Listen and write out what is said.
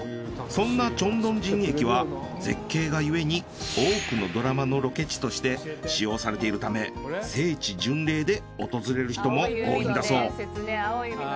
そんなチョンドンジン駅は絶景がゆえに多くのドラマのロケ地として使用されているため聖地巡礼で訪れる人も多いんだそう。